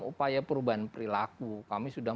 upaya perubahan perilaku kami sudah